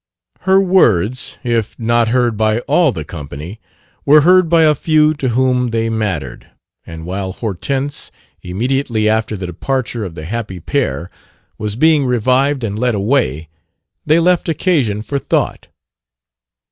Her words, if not heard by all the company, were heard by a few to whom they mattered; and while Hortense, immediately after the departure of the happy pair, was being revived and led away, they left occasion for thought.